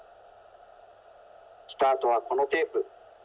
スタートはこのテープ。